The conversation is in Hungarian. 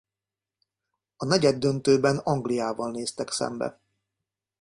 A negyeddöntőben Angliával néztek szembe.